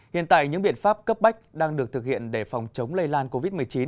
hiện tại những biện pháp cấp bách đang được thực hiện để phòng chống lây lan covid một mươi chín